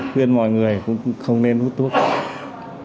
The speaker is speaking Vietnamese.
khuyên mọi người cũng không nên hút thuốc